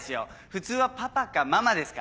普通は「パパ」か「ママ」ですからね。